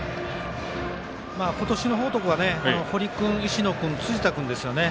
今年の報徳は堀君、石野君、辻田君ですよね。